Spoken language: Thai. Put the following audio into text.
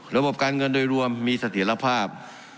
ระบบการเงินโดยรวมมีเสถียรภาพ